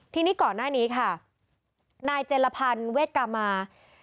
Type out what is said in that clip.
ทีนี้ก่อนหน้านี้ค่ะนายเจรพันธ์เวทกามา